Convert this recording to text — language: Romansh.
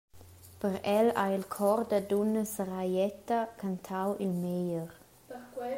Per el ha il Chor da dunnas Raieta cantau il meglier.